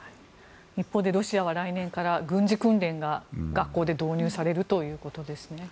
一方でロシアは来年から軍事訓練が学校で導入されるということですね。